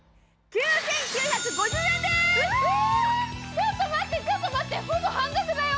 ちょっと待って、ちょっと待って、ほぼ半額だよ！